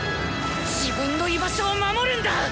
自分の居場所を守るんだ！